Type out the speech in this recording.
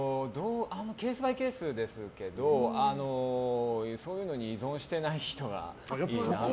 ケースバイケースですけどそういうのに依存していない人がいいなって。